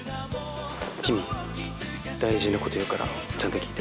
キミ大事なこと言うからちゃんと聞いて。